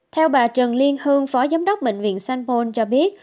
theo bà trần liên hương phó giám đốc bệnh viện sanpone cho biết